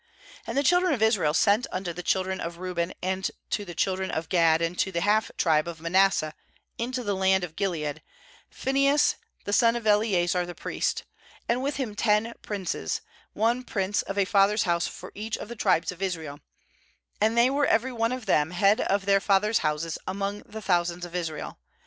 ^And the children of Israel sent unto the children of Reuben, and to the children of Gad, and to the half tribe of Manasseh, into the land of Gilead, Phinehas the son of Eleazar the priest; 14and with him ten princes, one prince of a fathers' house for each of the tribes of Israel; and they were every one of them head of their fathers' houses among the thousands of Israel.